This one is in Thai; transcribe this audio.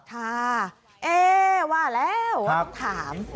ค่ะเอ๊ว่าแล้วต้องถาม